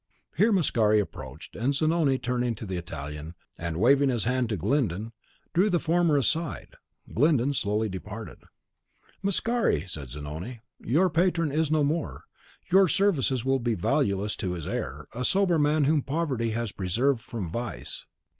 Here Mascari approached, and Zanoni, turning to the Italian, and waving his hand to Glyndon, drew the former aside. Glyndon slowly departed. "Mascari," said Zanoni, "your patron is no more; your services will be valueless to his heir, a sober man whom poverty has preserved from vice.